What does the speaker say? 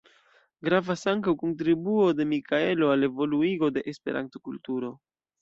Gravas ankaŭ kontribuo de Mikaelo al evoluigo de Esperanto-kulturo.